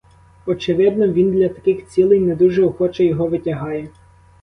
Очевидно, він для таких цілей не дуже охоче його витягає.